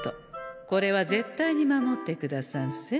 これは絶対に守ってくださんせ。